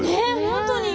本当に。